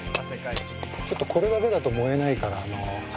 ちょっとこれだけだと燃えないから。